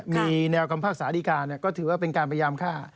มีแนวกรรมภาคสาธิกาก็ถือว่าเป็นการพยายามฆ่า